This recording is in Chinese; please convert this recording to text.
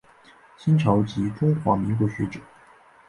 清朝及中华民国学者。